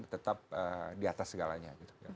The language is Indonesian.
tetap di atas segalanya